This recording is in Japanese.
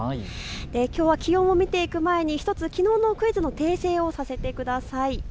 きょうは気温を見ていく前に１つ、きのうのクイズの訂正をさせてください。